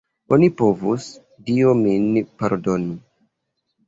Oni povus, Dio min pardonu!